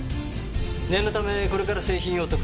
念のためこれから製品を特定します。